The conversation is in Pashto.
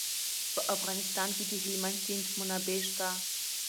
په افغانستان کې د هلمند سیند منابع شته.